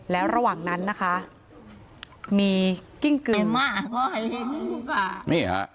แล้วระหว่างนั้นนะคะมีกิ้งกือมานี่ฮะ